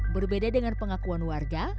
berbeda dengan pengakuan warga